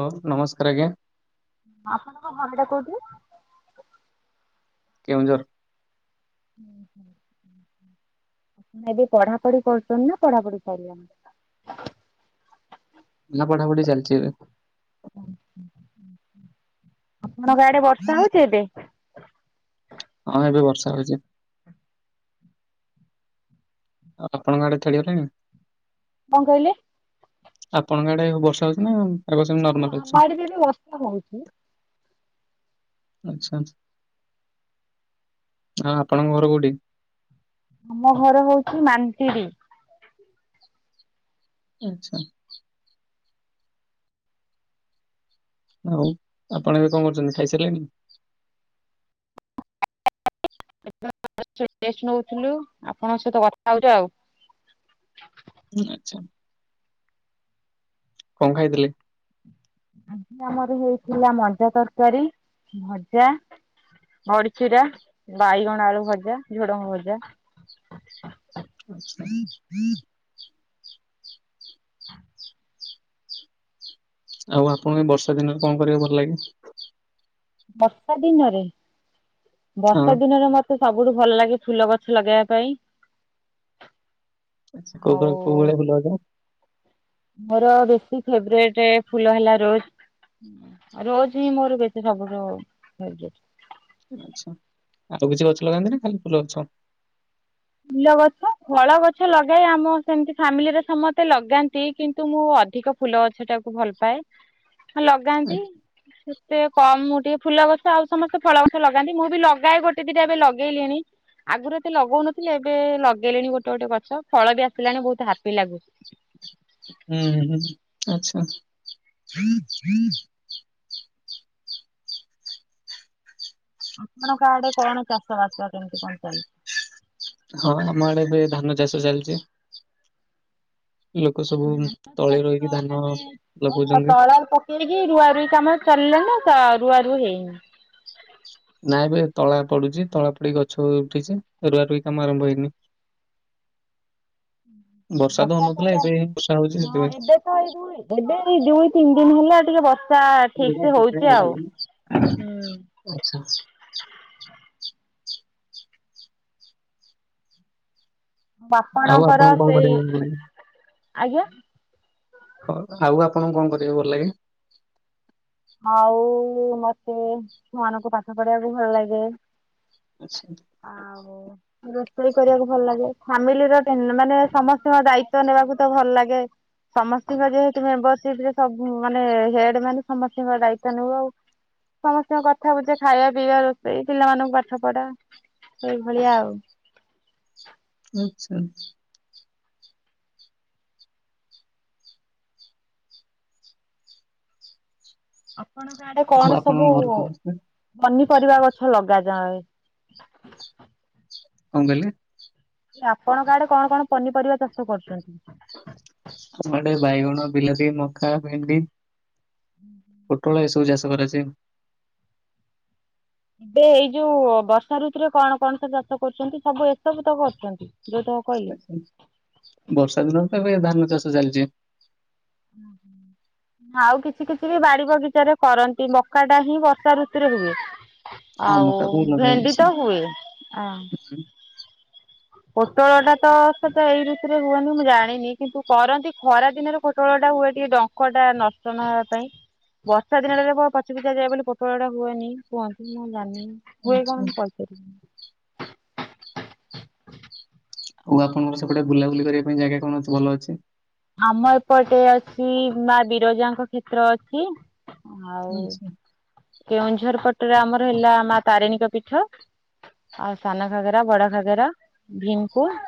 Hello. ନମସ୍କାର ଆଜ୍ଞା। ଆପଣଙ୍କ ଘର ଟା କୋଉଠି? କେଉଁଝର୍। ଆପଣ ଏବେ ପଢାପଢି କରୁଛନ୍ତି ନା ପଢାପଢି ସରିଲାନି? ନା ପଢା ପଢି ଚାଲିଛି ଏବେ। ଆପଣଙ୍କ ଗାଡେ ବର୍ଷା ହଉଛି ଏବେ? ହଁ ଏବେ ବର୍ଷା ହଉଛି। ଆଉ ଆପଣଙ୍କ ଆଡେଥେଳିଗଲେଣି? କଣ କହିଲେ? ଆପଣଙ୍କ ଆଡେ ବର୍ଷା ହଉଛି ନା? ପାଗ ସେମିତି ହଁ ନର୍ମାଲ ଅଛି? ଆମ ଆଡ଼େ ବି ଏବେ ବର୍ଷା ହେଉଛି। ଆଛା ଆ ଆପଣଙ୍କ ଘର କୋଉଠି? ଆମ ଘର ହଉଛି ମାନ୍ତିରି। ଆଚ୍ଛା। ଆଉ ଆପଣ ଏବେ କଣ କରୁଛନ୍ତି ଖାଇସାରିଲେଣି? ସେତେ ବେଳେ ଆମେ ଟେଷ୍ଟ ନଉଥିଲୁ ଆପଣଙ୍କ ସହିତ କଥା ହଉଛୁ ଆଉ। ହୁଁ ଆଚ୍ଛା। କଣ ଖାଇଥିଲେ? ଆଜି ଆମର ହେଇଥିଲା ମଜା ତରକାରୀ, ଭଜା ବଡ଼ିଚୁରା, ବାଇଗଣ ଆଳୁ ଭଜା, ଝୁଡଙ୍ଗ ଭଜା। ଆଛା ହଁ ହୁଁ। ଆଉ ଆପଣଙ୍କୁ ଏ ବର୍ଷା ଦିନରେ କଣ କରିବ ଭଲ ଲାଗେ? ବର୍ଷା ଦିନରେ ହଁ? ବର୍ଷା ଦିନରେ ମତେ ତେ ସବୁଠୁ ଭଲ ଲାଗେ ଫୁଲ ଗଛ ଲଗେଇବା ପାଇଁ। ଆ କ କୋଉ ଆଉ ଭଳିଆ ଫୁଲ ଗଛ? ମୋର ବେଶୀ ଫେବରିଟେ ଫୁଲ ହେଲା ରୋଜ। ରୋଜ ହିଁ ମୋର ବେଶୀ ସବୁଠୁ ଫେ ଆଛା ଆଉ କିଛି ଗଛ ଲଗାନ୍ତି ନା ଖାଲି ଫୁଲ ଗଛ? ଫୁଲ ଗଛ ଫଳ ଗଛ ଲଗାଇ ଆମ ସେମିତି ଫାମିଲିରେ ସମସ୍ତେ ଲଗାନ୍ତି କିନ୍ତୁ ମୁଁ ଅଧିକ ଫୁଲ ଗଛଟାକୁ ଭଲ ପାଏ। ହଁ ଲଗାନ୍ତି ଆଚ୍ଛା। ସେ କମ, ମୁଁ ଟିକେ ଫୁଲ ଗଛଟା ଆଉ ସମସ୍ତେ ଫଳ ଗଛ ଲଗାନ୍ତି, ମୁଁ ବି ଲଗାଏ ଗୋଟେ ଦିଟା ଏବେ ଲଗେଇଲିଣି। ଆଗୁରୁ ଏତେ ଲଗଉନଥିଲି, ଏବେ ଲଗେଇଲିଣି ଗୋଟେ ଗୋଟେ ଗଛ, ଫଳ ବି ଆସିଲାଣି ବହୁତ ହାପି ଲାଗୁଛି। ହୁଁ ହୁଁ, ଆଚ୍ଛା। ଆପଣଙ୍କ ଆଡେ କଣ ଚାଷବାସ, କେମିତି କଣ ଚାଲିଛି? ହଁ ଆମ ଆଡେ ଏବେ ଧାନ ଚାଷ ଚାଲିଚି। ଲୋକ ସବୁ ତଳି ରୁଇକି ଧାନ ଲଗଉଚନ୍ତି। ସିଆଡ଼େ କି ରୁଆ ରୁଇ କାମ ଚାଲିଲା ନା ତ ରୁଆ ରୁଇ ହେଇନି। ନାଇଁ ବା ଏବେ ତଳା ପଡୁଚି, ତଳା ପଡିି ଗଛ ଉଠିଛି, ରଆ ରୁଇ କାମ ଆରମ୍ଭ ହେଇନି। ତ ବର୍ଷା ହଉନଥିଲା ତାହେଲେ ଏବେ ହିଁ ବର୍ଷା ହଉଛି ହଁ ସେଥିପାଇଁ। ଏବେ ଏବେ ଏଇ ଦୁଇ ତିନି ଦିନ ହେଲା ଟିକେ ବର୍ଷା ର୍ଷା ଠିକସେ ହଉଛି ଆଉ ହୁଁ। ଆଚ୍ଛା ଆଚ୍ଛା। ଆଉ ଆପଣଙ୍କର ଆପଣଙ୍କୁ କଣ ସେଇ, କରିବାକୁ ଭଲ ଲାଗେ ଆଜ୍ଞା? ହଁ, ଆଉ ଆପଣଙ୍କୁ କଣ କରିବାକୁ ଭଲ ଲାଗେ? ଆଉ ମତେ ଛୁଆମାନଙ୍କୁ ପାଠ ପଢେଇବାକୁ ଭଲ ଲାଗେ ଆସନ୍ତୁ। ଆଉ ରୋଷେଇ କରିବାକୁ ଭଲଲାଗେ। ଫ୍ୟାମିଲିର ଟେ ମାନେ ସମସ୍ତଙ୍କ ଦାୟିତ୍ଵ ନେବାକୁ ତ ଭଲ ଲାଗେ। ସମସ୍ତିଙ୍କ ଯେହେତୁ ମେମ୍ବରସିପରେ ସବୁ ମାନେ ହେଡ୍ ମାନେ ସମସ୍ତିଙ୍କର ଦାୟିତ୍ଵ ନେବୁ ଆଉ। ସମସ୍ତିଙ୍କ କଥା ବୁଝେ, ଖାଇବା, ପିଇବା, ରୋଷେଇ, ପିଲାମାନଙ୍କୁ ପାଠପଢା ସେଇଭଳିଆ ଆଉ। ଆଚ୍ଛା ଆଚ୍ଛା। ଆପଣଙ୍କ ଆଡେ ଆଉ କଣ ଆପଣଙ୍କ ସବୁ ଘରେ ସମସ୍ତେ ପନିପରିବା ଗଛ ଲଗାଯାଏ? କଣ କହିଲେ? ଆପଣଙ୍କ ଆଡେ କଣ କଣ ପନିପରିବା ଚାଷ କରୁଛନ୍ତି? ଆମ ଆଡେ ବାଇଗଣ, ବିଲାତି, ମକା, ଭେଣ୍ଡି ପୋଟଳ ଏସବୁ ଚାଷ କରାଯାଏ। ଏ ଏଇ ଯୋଉ ବର୍ଷାଋତୁରେ କଣ କଣ ସବୁ ଚାଷ କରୁଛନ୍ତି? ସବୁ ଏସବୁ ତ କରୁଛନ୍ତି, ଯୋଉ ତ ଆଚ୍ଛା ଆଚ୍ଛା। ବର୍ଷାଦିନରେ ତ ଏବେ ଧାନ ଚାଷ ଚାଲିଚି। ହୁଁ ହୁଁ। ଆଉ କିଛି କିଛି ବି ବାଡି ବଗିଚାରେ କରନ୍ତି। ମକାଟା ହିଁ ବର୍ଷାଋତୁରେ ହୁଏ। ଆଉ ମକା କୁ ଲଗା ଭେଣ୍ଡି ଯାଇଛି। ତ ହୁଏ। ଆଁ ପୋଟଳଟା ତ ସେ ତ ଏଇ ଋତୁରେ ହୁଏନି ମୁଁ ଜାଣିନି କିନ୍ତୁ କରନ୍ତି, ଖରା ଦିନରେ ପୋଟଳଟା ହୁଏ ଟିକେ ଡଙ୍କ ଙ୍କଟା ନଷ୍ଟ ନହବା ପାଇଁ। ବର୍ଷାଦିନରେ ରହିବ ପଚିପୁଚା ଯାଏ ବୋଲି ପୋଟଳଟା ହୁଏନି, କୁହନ୍ତି ମୁଁ ଜାଣିନି। ହୁଏ ଆଚ୍ଛା କଣ ମୁଁ କହିପାରିବିନି। ଆଉ ଆପଣଙ୍କର ସେପଟେ ବୁଲାବୁଲି କରିବା ପାଇଁ ଜାଗା କଣ ଅଛି ଭଲ ଅଛି? ଆମ ଏପଟେ ଅଛି ମା ବିରଜାଙ୍କ କ୍ଷେତ୍ର ଅଛି ଆଉ ଆଚ୍ଛା କେଉଁଝର ପଟରେ ଆମର ହେଲା ମା ତାରିଣୀଙ୍କ ପୀଠ ଆଉ ସାନଘାଗରା, ବଡଘାଗରା, ଭୀମକୁଣ୍ଡ୍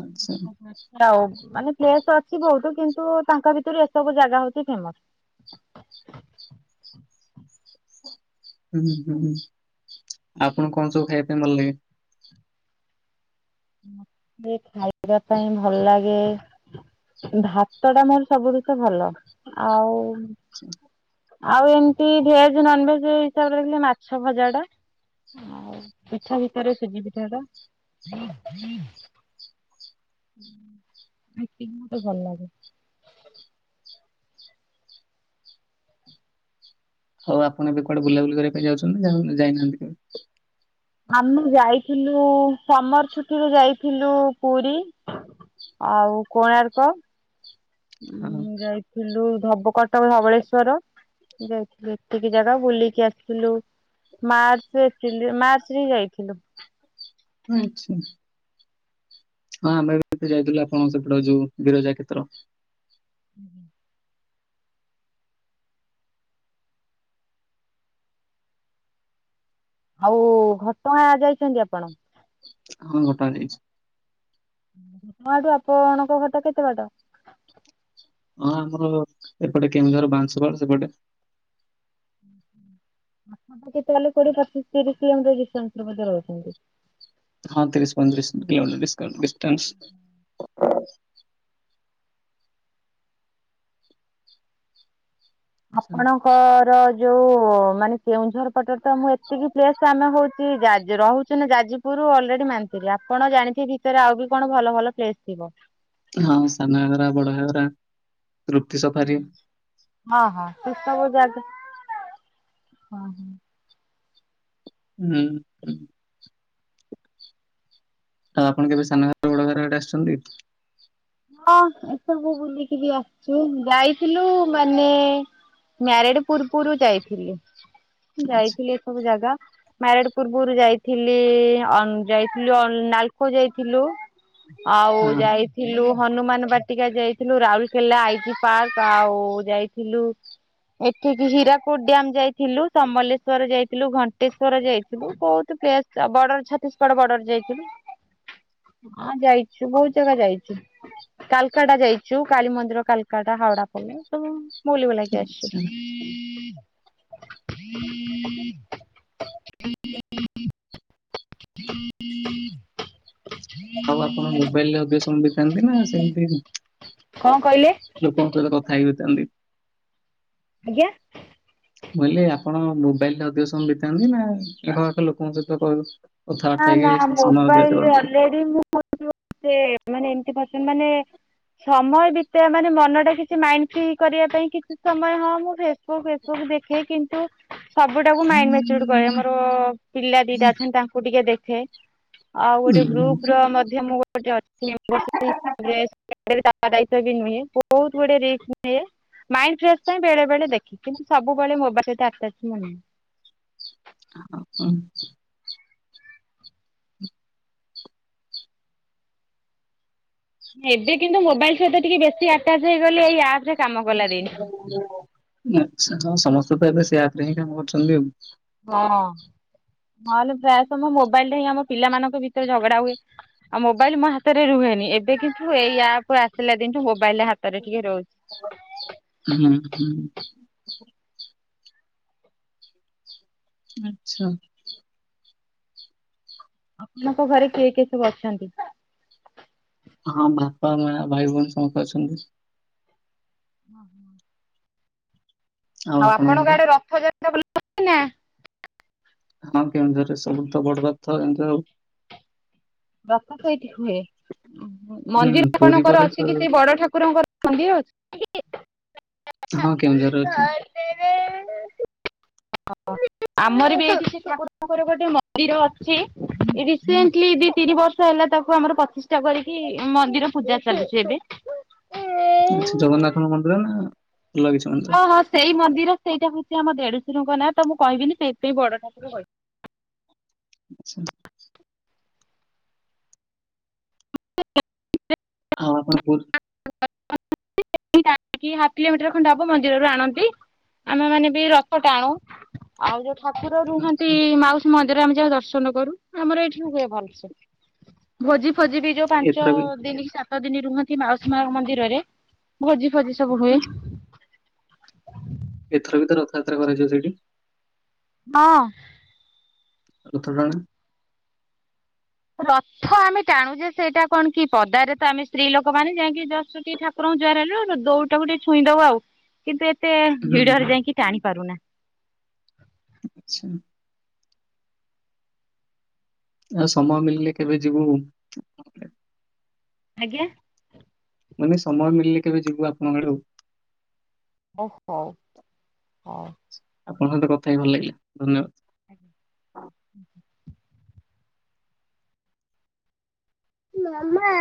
ଆଚ୍ଛା। ଆଚ୍ଛା ହଉ। ମାନେ ପ୍ଲେସ୍ ଅଛି ବହୁତ କିନ୍ତୁ ତାଙ୍କ ଭିତରୁ ଏସବୁ ଜାଗା ହଉଛି ଫେମସ୍। ହୁଁ ହୁଁ। ଆପଣଙ୍କୁ କଣ ସବୁ ଖାଇବା ପାଇଁ ଭଲ ଲାଗେ? ମତେ ଖାଇବା ପାଇଁ ଭଲ ଲାଗେ ଭାତଟା ମୋର ସବୁଠୁ ତ ଭଲ। ଆଉ ସେଇଆ ଆଉ ଏମତି ଭେଜ୍ ନନ୍ ଭେଜ୍ ହିସାବରେ ଦେଖିଲେ, ମାଛ ଭଜାଟା ଆଉ ପିଠା ଭିତରେ ସୁଜି ପିଠାଟା ଏତିକି ମତେ ଭଲ ଲାଗେ। ହଉ ଆପଣ ଏବେ କୁଆଡେ ବୁଲାବୁଲି କରିବା ପାଇଁ ଯାଉଛନ୍ତି ନା ଯାଇ ଯାଇନାହାନ୍ତି କେବେ? ଆମେ ଯାଇଥିଲୁ ସମର୍ ଛୁଟିରେ ଯାଇଥିଲୁ ପୁରୀ। ଆଉ କୋଣାର୍କ ହଁ ଉଁ ଡ୍ରାଇଫ। ଥିଲୁ ଧବ କଟକ ଧବଳେଶ୍ଵର। ଯାଇଥିଲୁ ଏତିକି ଜାଗା ବୁଲିକି ଆସିଥିଲୁ ମାର୍ଚ୍ଚ ଏପ୍ରିଲ୍ ରେ ମାର ଚ ରେ ଯାଇଥିଲୁ। ଆଚ୍ଛା। ହଁ ଆମେ ବି ତ ଯାଇଥିଲୁ ଆପଣଙ୍କ ସେପଟେ ଯୋଉ ବିିରଜା କ୍ଷେତ୍ର। ହୁଁଁ ହୁଁ। ଆଉ ଘଟଗାଁ ଯାଇଛନ୍ତି ଆପଣ? ହଁ ଘଟଗାଁ ଯାଇଛି। ତାଠୁ ଆପଣଙ୍କ ଘରଟା କେତେ ବାଟ? ହଁ ଆମର ଏପଟେ କେଉଁଝର ବାଂଶ ପାଳ ସେପଟେ। ହୁଁ ହୁଁ [inaudible] ଆପଣ ବୋଧେ ତାହେଲେ କୋଡିଏ ପଚିଶ ତିରିଶ ଏମିତିଆ ଡିସଟାନ୍ସ ରେ ବୋଧେ ରହୁଛନ୍ତି। ହଁ ତିରିଶ ପଇଁତିରିଶ କିଲୋମିଟର ଡିସକାଉଣ୍ଟ ଡିସଟାନ୍ସ। ଆପଣ। କ ର ଯୋଉ ମାନେ କେଉଁଝର ପଟରେ ତ ମୁଁ ଏତିକି ପ୍ଲେସ ଆମେ ହଉଛି ଜାଜ୍ ରହୁ। ଚୁ ନା ଯାଜପୁରରୁୁ ଅଲରେଡି ମାନ୍ତିରି ଆପଣ ଜାଣିଥିବେ ଭିତରେ ଆଉ ବି କଣ ଭଲ ଭଲ ପ୍ଲେସ ଥିବ। ହଁ ସାନ ଘାଘରା ବଡ ଘାଘରା। ହୁଁ ହଁ ହଁ ସସ୍ତା ବ ଜାଗା ହଁ ହଁ। ହୁଁ। ଆଉ ଆପଣ କେବେ ସାନ ଘାଘରା ବଡ ଘାଘରା ଆଡେ ଆସିଛନ୍ତି? ହଁ ଏସବୁ ବୁଲିକିରି ଆସିଛୁ ଯାଇଥିଲୁ ମାନେ। ମ୍ୟାରେଡ ପୂର୍ବରୁ ଯାଇଥିଲୁ ଆଚ୍ଛା ଯାଇଥିଲି ଏ ସବୁ ଜାଗା। ମ୍ୟାରେଡ ପୂର୍ବରୁ ଯାଇଥିଲି ଅନ ଯାଇଥିଲୁ ଅନ ନାଲକୋ ଯାଇଥିଲୁ। ଆଉ ହଁ ଯାଇଥିଲୁ। ହନୁମାନ ବାଟିକା ଯାଇଥିଲୁ ରାଉଲକେଲା ଆଇ ଜି ପାର୍କ ଆଉ ଯାଇଥିଲୁ। ଏଠିକି ହୀରାକୁଦ ଡ୍ୟାମ ଯାଇଥିଲୁ ସମଲେଶ୍ୱର ଯାଇଥିଲୁ ଘଣ୍ଟେଶ୍ଵର ଯାଇଥିଲୁ ବହୁତ ପ୍ଲେସ। ସା ବର୍ଡର ଛତିଶଗଡ ବର୍ଡର ଯାଇଥିଲୁ ହଁ ଯାଇଛୁ ବହୁତ ଜାଗା ଯାଇଛୁ। କାଲକାଟା ଯାଇଛୁ କାଳୀମନ୍ଦିର କାଲକାଟା ହାଉଡା ପୋଲ ସବୁ। ବୁଲି ବୁଲାକି ଆଚ୍ଛା। ଆସିଛୁ। ହ ହ [inaudible] ହ [inaudible] ଆଉ ଆପଣ ମୋବାଇଲରେ ଅଧିକ ସମୟ ବିତାନ୍ତି ନା ସେମିତି ନୁହ କଣ କହିଲେ ମୋ ଆପଣ ସହିତ କଥା ହେଇ ହୋଇଥାନ୍ତି। ଆଜ୍ଞା। ମୁଁ କହିଲି ଆପଣ ମୋବାଇଲରେ ଅଧିକ ସମୟ ବିତାନ୍ତି ନା ଆଖ ପାଖ ଲୋକଙ୍କ ସହିତ କ ନା କଥାବାର୍ତ୍ତା ନା ହେଇକି ସମୟ ବିତେଇ ମୋବାଇଲରେ ପାରନ୍ତି? ଅଲରେଡି ମୁଁ। ମୋର ସେ ମାନେ ଏମିତି [unintelligible] ମାନେ। ସମୟ ବିତେଇଆ ମାନେ ମନ ଟା କିଛି ମାଇଣ୍ଡ ଫ୍ରି କରିବା ପାଇଁ କିଛି ସମୟ ହଁ ମୁଁ ଫେ ଫେସବୁକ୍ ଏ ସବୁ ଦେଖେ କିନ୍ତୁ। ସବୁଟାକୁ ମାଇଣ୍ଡ ମ୍ୟାଚୁଡ କରେ ମୋର ପିଲା ଦିଟା ଅଛନ୍ତି ତାଙ୍କୁ ଟିକେ ଦେଖେ। ଆଉ ଉଁ ଗୋଟେ ଗ୍ରୁପ ର ମଧ୍ୟ ମୁଁ ଗୋଟେ ଅଛି ମେମ୍ବରସ ବି। ତା ପରେ [inaudible] ତା ଦାୟିତ୍ୱ ବି ନିଏ ବହୁତ୍ ଗୁଡେ ରିସ୍କ୍ ନିଏ। ମାଇଣ୍ଡ ଫ୍ରେଶସ୍ ପାଇଁ ବେଳେବେଳେ ଦେଖେ କିନ୍ତୁ ସବୁବେଳେ ମୋବାଇଲ ସହିତ ଆଟାଚ ମୁଁ ନୁହେଁ। ଆ ଅ ଉଁ। ଏବେ କିନ୍ତୁ ମୋବାଇଲ୍ ସହିତ ଟିକେ ବେଶୀ ଆଟାଚ୍ ହେଇଗଲି ଏଇ ଆପ ରେ କାମ କଲା ଦିନ। ହଁ [inaudible] ଆଚ୍ଛା ହଁ ସମସ୍ତେ ତ ଏବେ ସେ ଆପରେ ହିଁ କାମ କରୁଛନ୍ତି ଆଉ। ହଁ ନହେଲେ ପ୍ରାୟ ସମୟ ମୋବାଇଲ ରେ ହିଁ ଆମ ପିଲାମାନଙ୍କ ଭିତରେ ଝଗଡା ହୁଏ। ଆଉ ମୋବାଇଲ ମୋ ହାତରେ ରୁହେନି ଏବେ କିନ୍ତୁ ଏଇଆପ ଆସିଲା ଦିନଠୁ ମୋବାଇଲ ହାତରେ ଟିକେ ରହୁଛି। ହୁଁ ହୁଁ। ଆଚ୍ଛା। ଆପଣଙ୍କ ଘରେ କିଏ କିଏ ସବୁ ଅଛନ୍ତି? ହଁ ବାପା ମା ଭାଇ ଭଉଣୀ ସମସ୍ତେ ଅଛନ୍ତି। ଓ ହୋ [inaudible] ଆଉ ଆପଣଙ୍କ ଆଡେ ରଥଯାତ୍ରା ବୁଲା ହୁଏନା? ହଁ କେଉଁଝରରେ ସବୁଠୁ ତ ବଡ ଯାତ୍ରା [inaudible] ରଥ ସେଇଠି ହୁଏ ହୁଁ ମନ୍ଦିର ପୁରୀ ଆପଣଙ୍କର ପରେ ଅଛି କି ସ- ସେ ବଡ ଠାକୁରଙ୍କର କନ ଦିଅ ହଉଛି ହଁ କେଉଁଝରରେ ଅଛି। [unintelligible] ଖଟରେ ଆମର ବି ଏଇଠି [unintelligible] ଠାକୁର ଙ୍କ ରଗୋଟେ ମନ୍ଦିର ଅଛି। ରିସେଣ୍ଟଲି ଦି ତିନି ବର୍ଷ ହେଲା ତାକୁ ଆମର ପତିଷ୍ଠା କରିକି ମନ୍ଦିର ପୂଜା ଚାଲିଛି ଏବେ ଜଗନ୍ନାଥ ମନ୍ଦିର ନା ଅଲଗା କିଛି ମନ୍ଦିର। ଓହୋ ସେଇ ମନ୍ଦିର ସେଇଟା ହଉଛି ଆମ ଦେଢସୁର ନାଁ ତ ମୁଁ କହିବିନି, ସେଇଥିାଇଁ ବଡ ଠାକୁର କହି ଦେଲି। ଆଛା। [unintelligible] ହ, ଆପଣ ପୁର୍ [unintelligible] ହ ହାଫ କିଲୋ ମିଟର ଖଣ୍ଡେ ହବ ମନ୍ଦିର ରୁ ଆଣନ୍ତି। ଆମେ ମାନେ ବି ରଥ ଟାଣୁ ଆଉ ଯୋଉ ଠାକୁର ରୁହନ୍ତି ଆଚ୍ଛା ମାଉସୀ ମନ୍ଦିର ଆମେ ଯାଉ ଦର୍ଶନ କରୁ, ଆମର ଏଇଠି ହୁଏ ଭଲସେ ଭୋଜି ଫୋଜି ବି ଯୋଉ ପାଞ୍ଚ ଏଥର ବି ଦିନି କି ସାତ ଦିନି ରୁହନ୍ତି ମାଉସୀ ମା ମନ୍ଦିରରେ ଭୋଜି ଫୋଜି ସବୁ ହୁଏ। ଏଥର ବି ତ ରଥଯାତ୍ରା କରାଯିବ ସେଇଠି ହଁ। ରଥ ଟାଣେ। ରଥ ଆମେ ଟାଣୁ ଯେ ସେଇଟା କଣ କି ପଦାରେ ତ ଆମେ ସ୍ତ୍ରୀ ଲୋକମାନେ ଯାଇକି ଜଷ୍ଟ ଟିକେ ଠାକୁର ଠାକୁର ଙ୍କୁ ଜୁହାର ହେଲୁ ଦଉଡିଟାକୁ ଟିକେ ଛୁଇଁ ଦଉ ଆଉ କିନ୍ତୁ ଏତେ ହୁଁ ହୁଁ। ଭିଡରେ ଯାଇକି ଟାଣି ପାରୁନା। ଆଛା। ଆଉ ସମୟ ମିଳିଲେ କେବେ ଯିବୁ ଆଜ୍ଞା। ମାନେ ସମୟ ମିଳିଲେ କେବେ ଯିବୁ ଆପଣଙ୍କ ଆଡୁ ଓ ହୋ ହଉ। ଆପଣଙ୍କ ସହିତ କଥା ହେଇ କି ଭଲ ଲାଗିଲା ଧନ୍ୟବାଦ। [unintelligible] ମାମା।